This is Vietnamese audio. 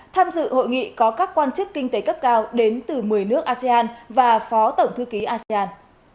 tham dự hội nghị có các quan chức kinh tế cấp cao đến từ một mươi nước asean và phó tổng thư ký asean